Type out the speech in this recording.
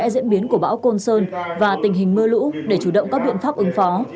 diễn biến của bão côn sơn và tình hình mưa lũ để chủ động các biện pháp ứng phó